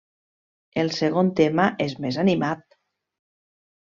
El segon tema és més animat.